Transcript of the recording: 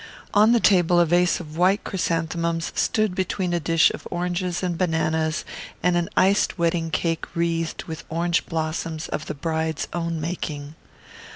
On the table a vase of white chrysanthemums stood between a dish of oranges and bananas and an iced wedding cake wreathed with orange blossoms of the bride's own making.